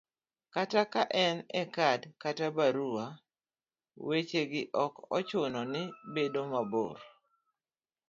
kata ka en e kad kata barua, weche gi ok ochuno ni bedo mabor